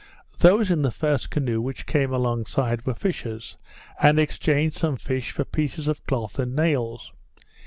Those in the first canoe, which came along side, were fishers, and exchanged some fish for pieces of cloth and nails.